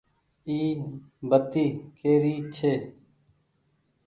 اي بتي ڪي ري ڇي۔